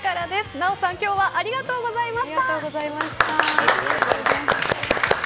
奈緒さん、今日はありがとうございました。